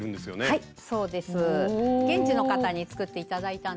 はい。